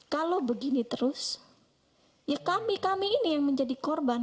kalau begini terus ya kami kami ini yang menjadi korban